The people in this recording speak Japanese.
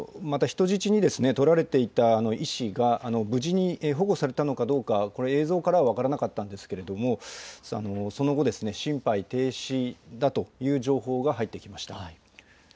また人質に取られていた医師が無事に保護されたかどうか映像からは分からなかったのですがその後、心肺停止だという情報が入ってきました。